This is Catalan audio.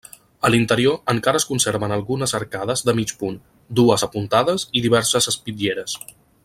A l'interior encara es conserven algunes arcades de mig punt, dues apuntades i diverses espitlleres.